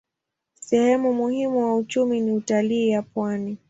Sehemu muhimu wa uchumi ni utalii ya pwani.